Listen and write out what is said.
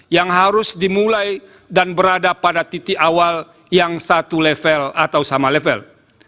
yang harus dimulai dan berada pada titik awal yang satu level atau sama level